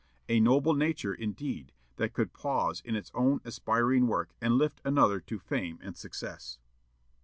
A noble nature, indeed, that could pause in its own aspiring work and lift another to fame and success!